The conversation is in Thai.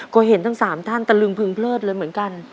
ก็เห็นทั้ง๓ท่านตะลึงพึงเพลิดเลยเหมือนกัน